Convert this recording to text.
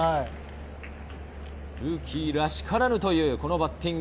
ルーキーらしからぬというこのバッティング。